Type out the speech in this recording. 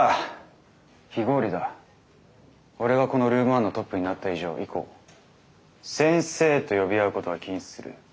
俺がこのルーム１のトップになった以上以降先生と呼び合うことは禁止する。